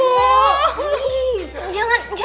ya udah beneran ya om